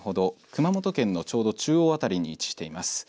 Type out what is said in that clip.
熊本県のちょうど中央あたりに位置しています。